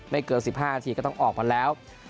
เกิน๑๕นาทีก็ต้องออกมาแล้ว